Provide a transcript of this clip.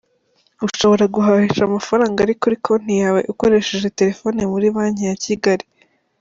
Ushobora guhahisha amafaranga ari kuri konti yawe ukoresheje telefoni muri banke ya kigali